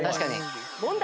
問題。